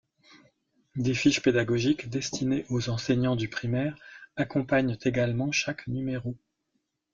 Des fiches pédagogiques, destinées aux enseignants du primaire, accompagnent également chaque numéro.